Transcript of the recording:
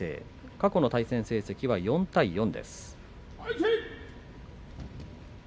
過去の対戦成績は４対４です。